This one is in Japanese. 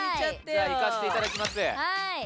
いかせていただきます。